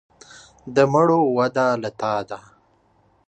د مړو وده له تا ده.